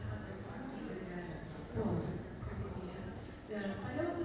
nilai yang kita diimpiarkan